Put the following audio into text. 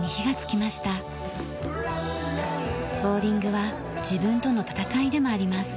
ボウリングは自分との闘いでもあります。